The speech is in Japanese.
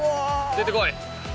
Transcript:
出てこい。